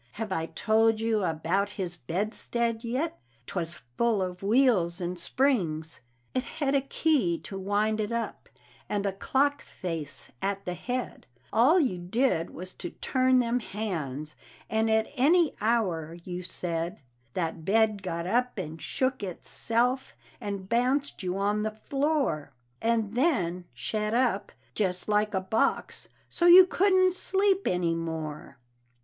Have I told you about his bedstead yit? 'Twas full of wheels and springs; It hed a key to wind it up, and a clock face at the head; All you did was to turn them hands, and at any hour you said That bed got up and shook itself, and bounced you on the floor, And then shet up, jest like a box, so you couldn't sleep any more.